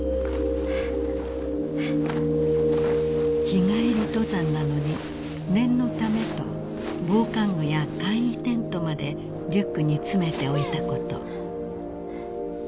［日帰り登山なのに念のためと防寒具や簡易テントまでリュックに詰めておいたこと］